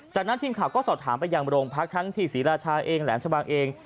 จากนั้นทีมข่าวก็สอบถามไปยังโรงพักทั้งที่ศรีราชาเองแหลมชะบังเอง